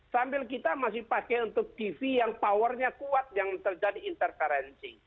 sambil kita masih pakai untuk tv yang powernya kuat yang terjadi intercurrency